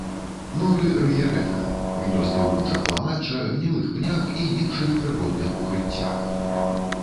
Норы рые рэдка, гнёзды ў кучах ламачча, гнілых пнях і іншых прыродных укрыццях.